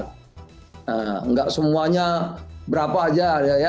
tidak semuanya berapa saja